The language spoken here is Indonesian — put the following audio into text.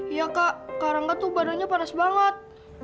iya kak karangga tuh badannya panas banget